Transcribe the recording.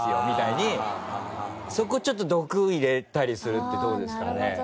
みたいにそこをちょっと毒入れたりするってどうですかね？